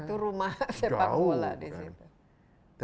itu rumah sepak bola di situ